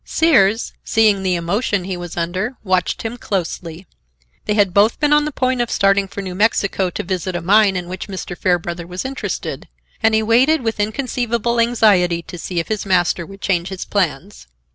Sears, seeing the emotion he was under, watched him closely. They had both been on the point of starting for New Mexico to visit a mine in which Mr. Fairbrother was interested, and he waited with inconceivable anxiety to see if his master would change his plans.